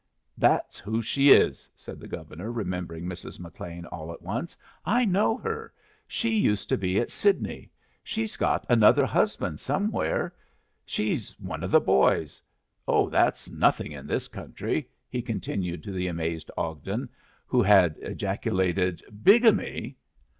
"That's who she is!" said the Governor, remembering Mrs. McLean all at once. "I know her. She used to be at Sidney. She's got another husband somewhere. She's one of the boys. Oh, that's nothing in this country!" he continued to the amazed Ogden, who had ejaculated "Bigamy!"